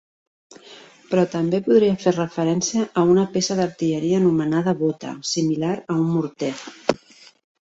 Però també podria fer referència a una peça d'artilleria anomenada bota, similar a un morter.